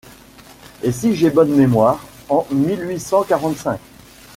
Et si j’ai bonne mémoire, en mille huit cent quarante-cinq...